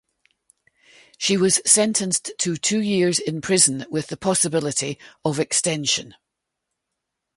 She was sentenced to two years in prison with the possibility of extension.